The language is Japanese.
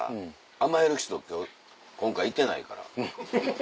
甘える人今回いてないから。